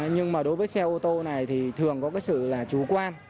nhưng mà đối với xe ô tô này thì thường có cái sự là chủ quan